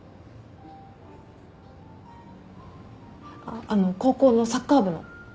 あっあの高校のサッカー部の。